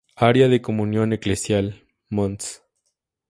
Área de Comunión Eclesial: Mons.